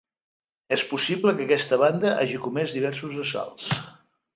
És possible que aquesta banda hagi comès diversos assalts.